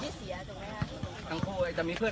สวัสดีครับทุกคนขอบคุณครับทุกคน